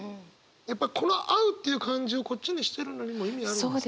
やっぱこの「う」っていう漢字をこっちにしてるのにも意味あるんですかね？